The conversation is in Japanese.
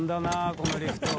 このリフト。